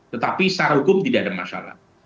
tetapi secara hukum tidak ada masalah